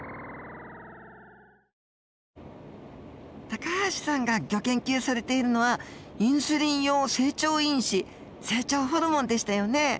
高橋さんがギョ研究されているのはインスリン様成長因子成長ホルモンでしたよね。